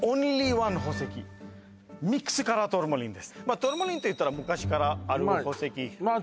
あトルマリンっていったら昔からある宝石まあ